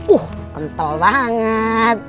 uh kental banget